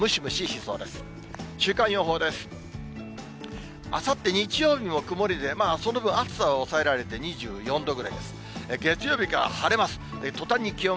あさって日曜日も曇りで、その分、暑さは抑えられて２４度ぐらいです。